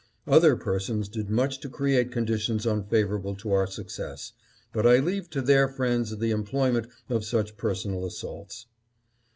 Other persons did much to create conditions unfavorable to our success, but I leave to their friends the employment of such per sonal assaults.